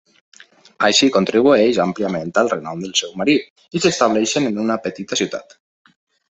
Així, contribueix àmpliament al renom del seu marit i s'estableixen en una petita ciutat.